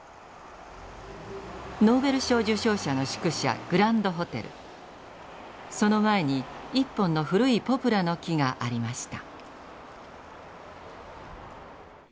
ノーベル賞受賞者の宿舎その前に１本の古いポプラの木がありました。